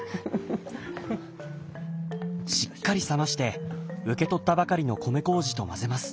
しっかり冷まして受け取ったばかりの米こうじと混ぜます。